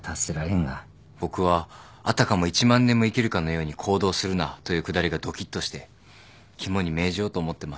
僕は「あたかも一万年も生きるかのように行動するな」というくだりがドキっとして肝に銘じようと思ってます。